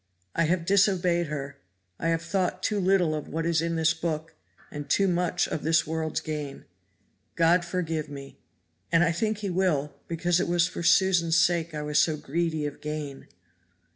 I have disobeyed her I have thought too little of what is in this book and too much of this world's gain. God forgive me! and I think He will, because it was for Susan's sake I was so greedy of gain."